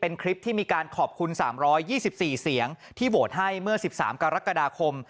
เป็นคลิปที่มีการขอบคุณ๓๒๔เสียงที่โหวตให้เมื่อ๑๓กรกฎาคม